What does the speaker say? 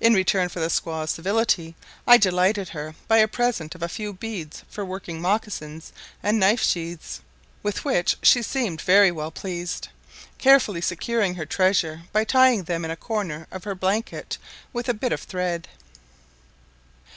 In return for the squaw's civility I delighted her by a present of a few beads for working mocassins and knife sheaths, with which she seemed very well pleased, carefully securing her treasure by tying them in a corner of her blanket with a bit of thread.